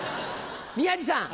宮治さん。